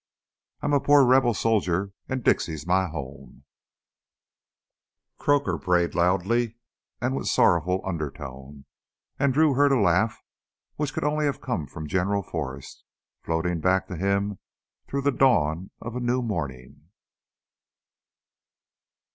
"I'm a poor Rebel soldier, and Dixie's my home " Croaker brayed loudly and with sorrowful undertone, and Drew heard a laugh, which could only have come from General Forrest, floating back to him through the dawn of a new morning.